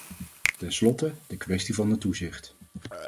Ten slotte, de kwestie van het toezicht.